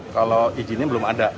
kalau izinnya belum ada